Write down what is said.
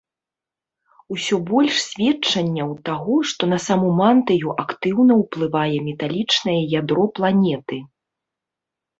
Усё больш сведчанняў таго, што на саму мантыю актыўна ўплывае металічнае ядро планеты.